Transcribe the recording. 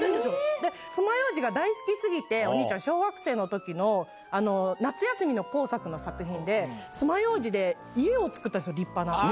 つまようじが大好きすぎて、お兄ちゃん、小学生のときの夏休みの工作の作品で、つまようじで家を作ったんですよ、立派な。